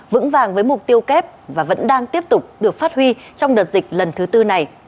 vững vàng với mục tiêu kép và vẫn đang tiếp tục được phát huy trong đợt dịch lần thứ tư này